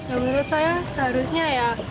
menurut saya seharusnya ya